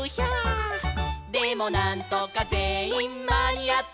「でもなんとかぜんいんまにあって」